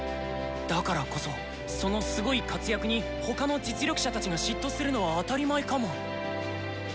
だからこそそのすごい活躍に他の実力者たちが嫉妬するのは当たり前かも。